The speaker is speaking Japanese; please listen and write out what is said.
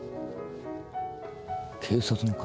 警察の方？